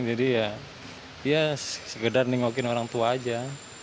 jadi ya segedar nengokin orang tua aja